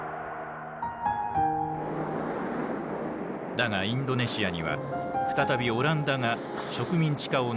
だがインドネシアには再びオランダが植民地化をねらい侵攻。